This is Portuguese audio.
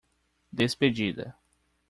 Despedida